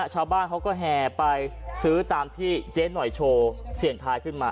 ชาวบ้านเขาก็แห่ไปซื้อตามที่เจ๊หน่อยโชว์เสี่ยงทายขึ้นมา